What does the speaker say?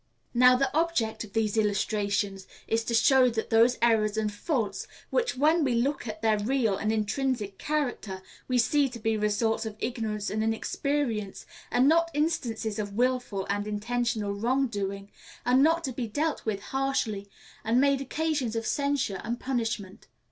Now, the object of these illustrations is to show that those errors and faults which, when we look at their real and intrinsic character, we see to be results of ignorance and inexperience, and not instances of willful and intentional wrong doing, are not to be dealt with harshly, and made occasions of censure and punishment.